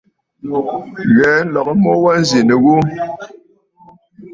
Ghɛ̀ɛ nlɔgə mu wa nzì nɨ ghu.